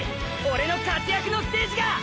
オレの活躍のステージが！！